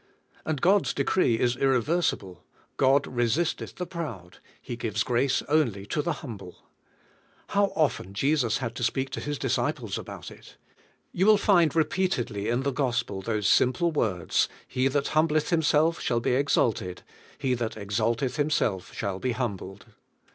And God's decree is irreversible, "God resisteth the proud; He gives grace only to the humble." How often Jesus had to speak to his disciples about it! You will find repeatedly in the Gospel those simple words: "He that humbleth Himself shall be exalted; he that exalteth himself shall be humbled."